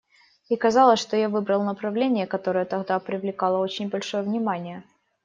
И оказалось, что я выбрал направление, которое тогда привлекало очень большое внимание.